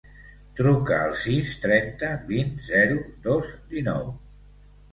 Truca al sis, trenta, vint, zero, dos, dinou.